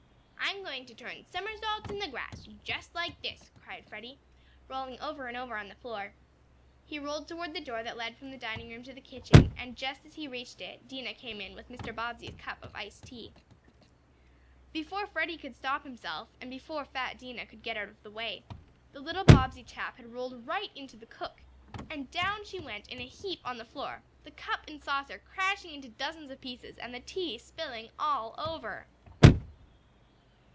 "I'm going to turn somersaults in the grass just like this," cried Freddie, rolling over and over on the floor. He rolled toward the door that led from the dining room to the kitchen, and, just as he reached it, Dinah came in with Mr. Bobbsey's cup of iced tea. Before Freddie could stop himself, and before fat Dinah could get out of the way, the little Bobbsey chap had rolled right into the cook, and down she went in a heap on the floor, the cup and saucer crashing into dozens of pieces, and the tea spilling all over.